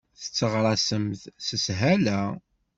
Tetteɣraṣemt s shala.